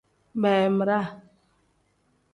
Beemiraa.